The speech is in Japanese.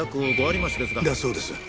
だそうです。